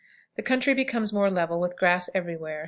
The country becomes more level, with grass every where.